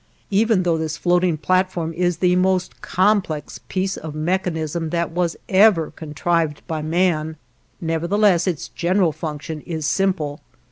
Even though this floating platform is the most complex piece of mechanism that was ever contrived by man, nevertheless its general function is simple.